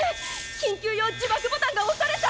緊急用自爆ボタンが押された！